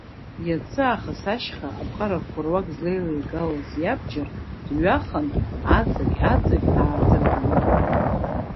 Иацы аахыс ашьха аԥҟарақәа руак злеилеигалоз иабџьар дҩахан, аҵықь-аҵықь ааҭырганы.